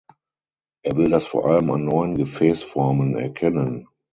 Er will das vor allem an neuen Gefäßformen erkennen.